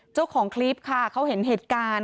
เจ้าของคลิปค่ะเขาเห็นเหตุการณ์